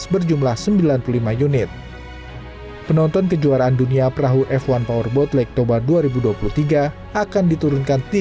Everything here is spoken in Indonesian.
berjumlah sembilan puluh lima unit penonton kejuaraan dunia perahu f satu powerboat lake toba dua ribu dua puluh tiga akan diturunkan